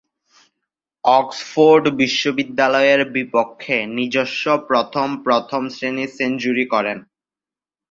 Oxford বিশ্ববিদ্যালয়ের বিপক্ষে নিজস্ব প্রথম প্রথম-শ্রেণীর সেঞ্চুরি করেন।